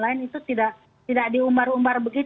itu tidak diumbar umbar